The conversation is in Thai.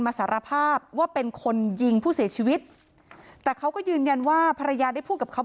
สารภาพว่าเป็นคนยิงผู้เสียชีวิตแต่เขาก็ยืนยันว่าภรรยาได้พูดกับเขา